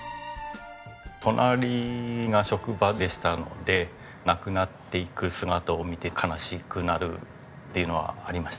隣が職場でしたのでなくなっていく姿を見て悲しくなるっていうのはありましたね。